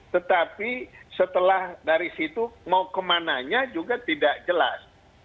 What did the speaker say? tetapi setelah dari situ mau kemananya juga tidak jelas